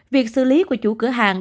việc xử lý của chủ cửa hàng